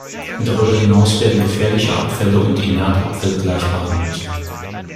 Darüber hinaus werden gefährliche Abfälle und Inertabfälle gleich behandelt.